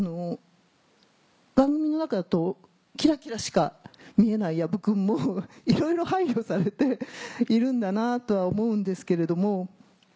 番組の中だとキラキラしか見えない矢不君もいろいろ配慮されているんだなとは思うんですけれども。